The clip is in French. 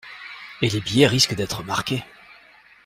Et les billets risquent d'être marqués.